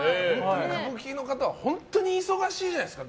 歌舞伎の方は本当に忙しいじゃないですか。